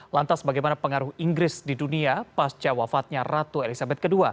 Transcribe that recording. lantas bagaimana pengaruh inggris di dunia pasca wafatnya ratu elizabeth ii